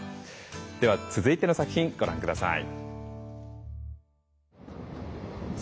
では続いての作品ご覧下さい。